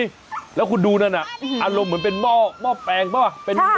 เพราะพอดีแล้วคุณดูนั่นอ่ะอารมณ์เหมือนเป็นหม้อแปลงหรือเปล่า